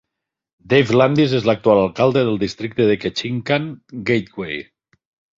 Dave Landis és l'actual alcalde del districte de Ketchikan Gateway.